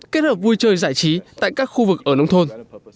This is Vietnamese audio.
kết hợp vui chơi giải trí tại các khu vực ở nông thôn